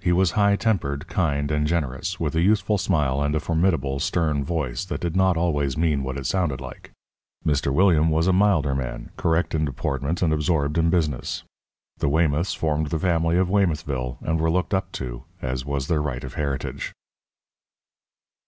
He was high tempered, kind, and generous, with a youthful smile and a formidable, stern voice that did not always mean what it sounded like. Mr. William was a milder man, correct in deportment and absorbed in business. The Weymouths formed The Family of Weymouthville, and were looked up to, as was their right of heritage.